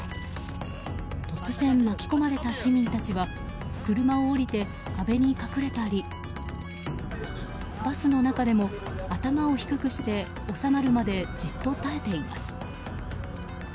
突然巻き込まれた市民たちは車を降りて壁に隠れたりバスの中でも頭を低くして収まるまでじっと耐えています。